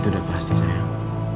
itu udah pasti sayang